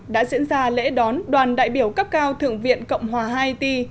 đã diễn ra lễ đón đoàn đại biểu cấp cao thượng viện cộng hòa haiti